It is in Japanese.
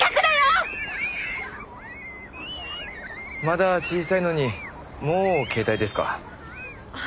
まだ小さいのにもう携帯ですか。